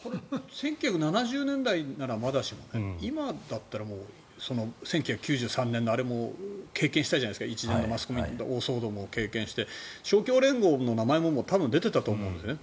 １９７０年代ならまだしも今だったら１９９３年のあれも経験したじゃないですか一連のマスコミの大騒動も経験して勝共連合の名前も多分出ていたと思うんですね。